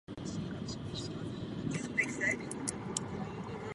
Vykonává působnost silničního správního úřadu a speciálního stavebního úřadu pro dálnice.